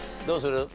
どうする？